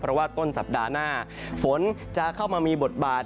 เพราะว่าต้นสัปดาห์หน้าฝนจะเข้ามามีบทบาท